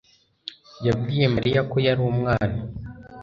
yabwiye mariya ko yari umwana